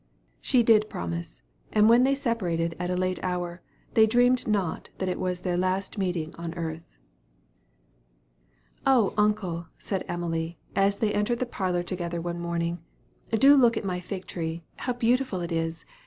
She did promise; and when they separated at a late hour, they dreamed not that it was their last meeting on earth. "Oh, uncle," said Emily, as they entered the parlor together one morning, "do look at my fig tree; how beautiful it is.